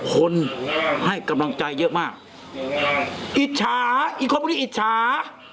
คนให้กำลังใจเยอะมากอิจฉาอีกคนไม่ได้อิจฉา